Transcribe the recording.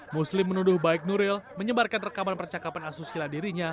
muslim menuduh baik nuril menyebarkan rekaman percakapan asusila dirinya